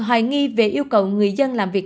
hoài nghi về yêu cầu người dân làm việc